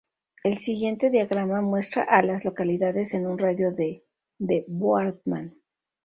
El siguiente diagrama muestra a las localidades en un radio de de Boardman.